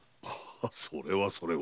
それはそれは。